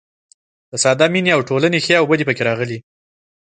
د ساده مینې او ټولنې ښې او بدې پکې راغلي.